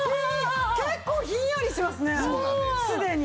結構ひんやりしますねすでに。